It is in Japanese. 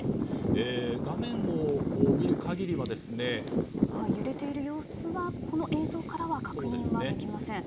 画面を見る限りは揺れている様子はこの映像からは確認はできません。